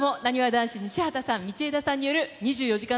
このあともなにわ男子・西畑さん、道枝さんによる２４時間